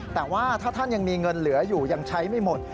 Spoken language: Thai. แต่ว่าถ้าท่านยังมีเงินเหลืออยู่ยังใช้ไม่หมด